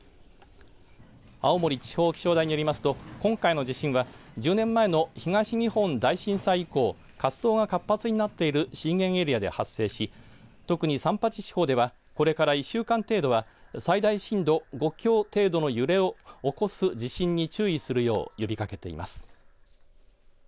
青森地方気象台によりますと今回の地震は１０年前の東日本大震災以降活動が活発になっている震源エリアで発生し特に三八地方ではこれから１週間程度は最大震度５強程度の揺れを起こす地震に注意するよう呼びかけています。